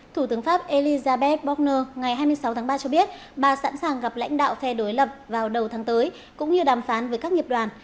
thủ tướng pháp elizabeth borner ngày hai mươi sáu tháng ba cho biết bà sẵn sàng gặp lãnh đạo phe đối lập vào đầu tháng tới cũng như đàm phán với các nghiệp đoàn